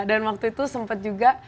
dan waktu itu sempat juga